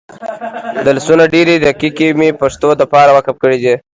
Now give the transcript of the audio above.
دلسونه ډیري دقیقی مي دپښتو دپاره وقف کړي دي